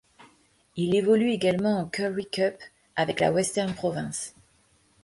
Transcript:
Il évolue également en Currie Cup avec la Western Province.